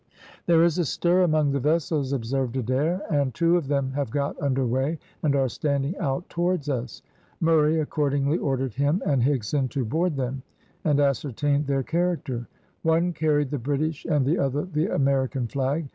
"There is a stir among the vessels," observed Adair, "and two of them have got under weigh, and are standing out towards us." Murray accordingly ordered him and Higson to board them, and ascertain their character. One carried the British and the other the American flag.